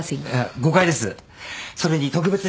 誤解です。